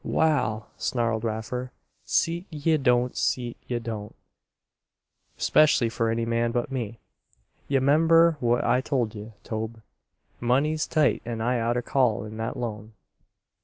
"Wal," snarled Raffer, "see't ye don't see't ye don't. 'Specially for any man but me. Ye 'member what I told ye, Tobe. Money's tight and I oughter call in that loan."